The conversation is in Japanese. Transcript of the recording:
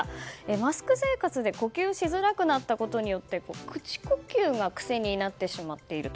マスク生活で呼吸しづらくなったことによって口呼吸が癖になってしまっていると。